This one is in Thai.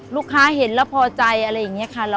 ลูกค้าเห็นแล้วพอใจอะไรอย่างนี้ค่ะ